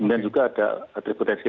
kemudian juga ada reputasi